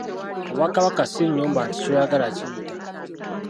Obwakabaka si nnyumba nti kyoyagala kiyita.